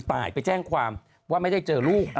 ตายไปแจ้งความว่าไม่ได้เจอลูก